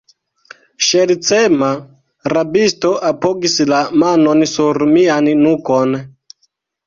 Ŝercema rabisto apogis la manon sur mian nukon.